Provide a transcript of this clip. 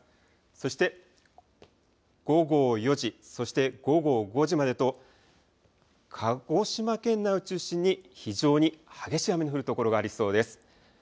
そして午後４時、そして午後５時までと鹿児島県内を中心に非常に激しい雨の降る所がありそうです。